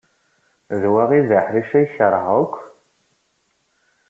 D wa ay d aḥric ay keṛheɣ akk.